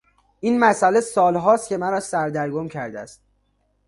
این مسئله سالهاست که مرا سردرگم کرده است.